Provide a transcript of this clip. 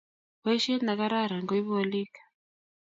Boishet nekararan koibu olik